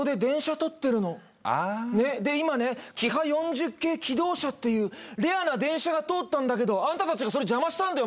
で今ねキハ４０系気動車っていうレアな電車が通ったんだけどあんた達がそれ邪魔したんだよ